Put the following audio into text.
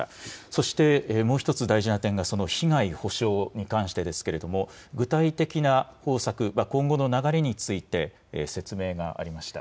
そしてもう１つ大事な点が、その被害補償に関してですけれども、具体的な方策、今後の流れについて、説明がありました。